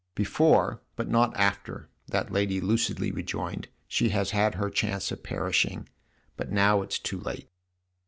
" Before, but not after," that lady lucidly rejoined. " She has had her chance of perishing, but now it's too late."